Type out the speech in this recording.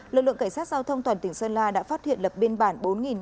lực lượng cảnh sát giao thông toàn tỉnh sơn la đã phát hiện lập biên bản